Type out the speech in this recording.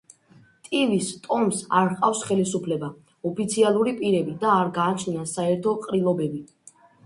ტივის ტომს არ ჰყავს ხელისუფლება, ოფიციალური პირები და არ გააჩნიათ საერთო ყრილობები.